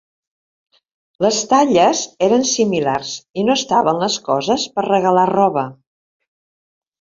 Les talles eren similars i no estaven les coses per regalar roba.